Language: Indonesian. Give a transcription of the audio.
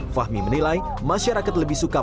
fahmi menilai masyarakat lebih suka